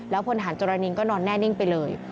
แล้วพลธหารจรณีนก็นอนแน่นิ่งไปเลย